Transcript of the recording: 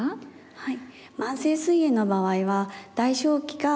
はい。